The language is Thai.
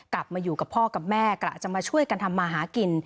กลับมาอยู่กับพ่อกับแม่กะจะมาช่วยกันทำมาหากิน